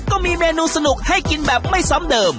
ก็มีเมนูสนุกให้กินแบบไม่ซ้ำเดิม